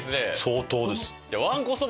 相当です。